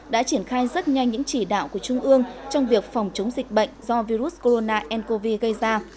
đã triển khai rất nhanh những chỉ đạo của trung ương trong việc phòng chống dịch bệnh do virus corona ncov gây ra